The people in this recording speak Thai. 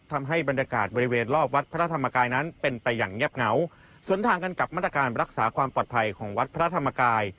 ทำให้บรรยากาศบริเวณรอบวัดพระธรรมกายนั้นเป็นไปอย่างเงียบเหงาสวนทางกันกับมาตรการรักษาความปลอดภัยของวัดพระธรรมกาย